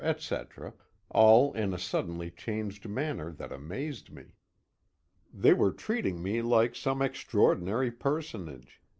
etc., all in a suddenly changed manner that amazed me. They were treating me like some extraordinary personage.